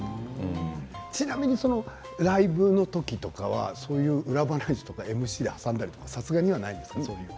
ちなみにライブの時とかはそういう裏話とかＭＣを挟んだりは、さすがにないんですか。